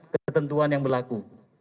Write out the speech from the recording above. ketentuan yang berlaku